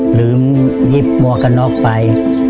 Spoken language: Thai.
หรือยิบมอกนอกไป